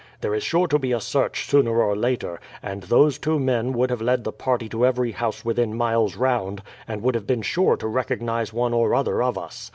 There is sure to be a search sooner or later, and those two men would have led the party to every house within miles round, and would have been sure to recognize one or other of us.